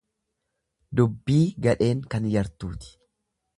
Dubbii gadheen kan yartuuti.